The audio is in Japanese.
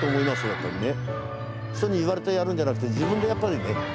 やっぱりね。